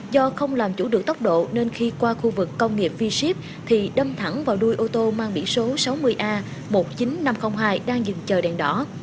do không làm chủ được tốc độ nên khi qua khu vực công nghiệp v ship thì đâm thẳng vào đuôi ô tô mang biển số sáu mươi a một mươi chín nghìn năm trăm linh hai đang dừng chờ đèn đỏ